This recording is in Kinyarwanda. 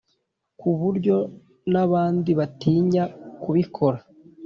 ku buryo n’abandi batinya kubikora.